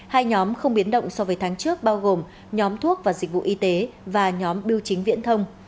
hai nhóm không biến động so với tháng trước bao gồm nhóm thuốc và dịch vụ y tế và nhóm biểu chính viễn thông